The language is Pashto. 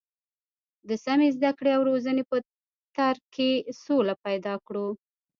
د سمې زده کړې او روزنې په تر کې سوله پیدا کړو.